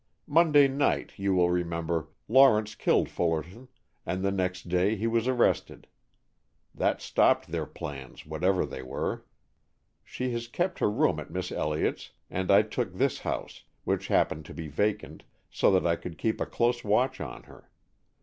Monday night, you will remember, Lawrence killed Fullerton, and the next day he was arrested. That stopped their plans, whatever they were. She has kept her room at Miss Elliott's, and I took this house, which happened to be vacant, so that I could keep a close watch on her.